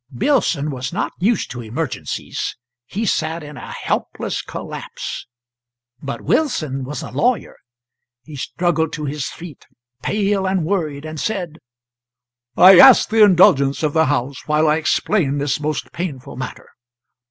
Billson was not used to emergencies; he sat in a helpless collapse. But Wilson was a lawyer. He struggled to his feet, pale and worried, and said: "I ask the indulgence of the house while I explain this most painful matter.